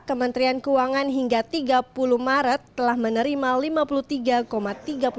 kementerian keuangan hingga tiga puluh maret telah menerima lima puluh tiga tiga puluh persen